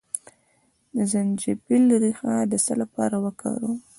د زنجبیل ریښه د څه لپاره وکاروم؟